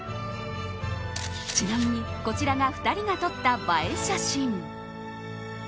ちなみにこちらが２人の撮った映え写真。